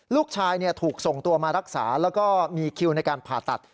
ลูกชายถูกส่งตัวมารักษาแล้วก็มีคิวในการผ่าตัด